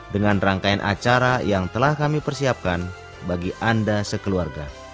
dengan rangkaian acara yang telah kami persiapkan bagi anda sekeluarga